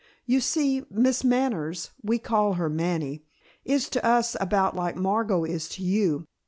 You see, Miss Manners, we call her Manny is to us about like Margot is to you.